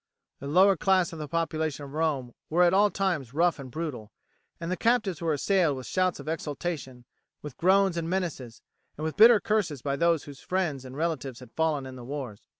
The lower class of the population of Rome were at all times rough and brutal, and the captives were assailed with shouts of exultation, with groans and menaces, and with bitter curses by those whose friends and relatives had fallen in the wars.